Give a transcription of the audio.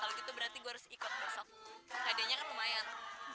hai berikut berarti harus ikut besok adeknya lumayan